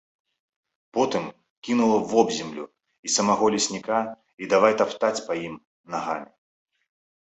Потым кінула вобземлю і самога лесніка і давай таптаць па ім нагамі.